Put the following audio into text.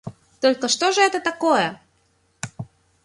Только что же это такое?